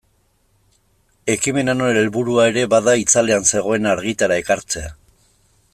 Ekimen honen helburua ere bada itzalean zegoena argitara ekartzea.